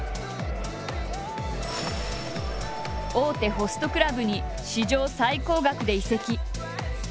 大手ホストクラブに史上最高額で移籍。